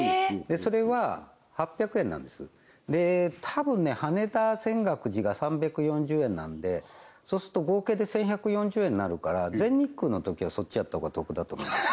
それは８００円なんですでたぶんね羽田−泉岳寺が３４０円なんでそうすると合計で１１４０円になるから全日空のときはそっちやった方が得だと思います